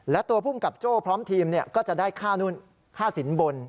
และตัวภูมิกับโจ้พร้อมทีมเนี่ยก็จะได้ค่านู่นค่าสินบล